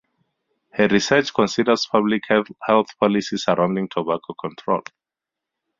Her research considers public health policy surrounding tobacco control.